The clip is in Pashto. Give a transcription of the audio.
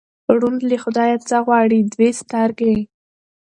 ـ ړوند له خدايه څه غواړي، دوې سترګې.